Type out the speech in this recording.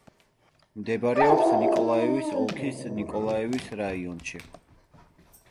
მდებარეობს ნიკოლაევის ოლქის ნიკოლაევის რაიონში.